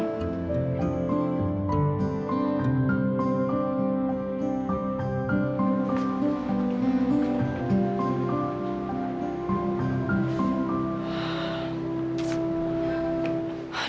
aku mau pergi